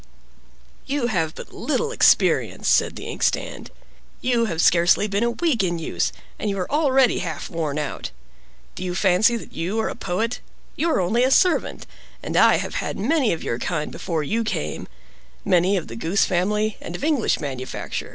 "You have but little experience," said the ink stand. "You have scarcely been a week in use, and you are already half worn out. Do you fancy that you are a poet? You are only a servant: and I have had many of your kind before you came—many of the goose family, and of English manufacture.